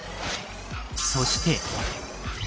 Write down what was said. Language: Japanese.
そして。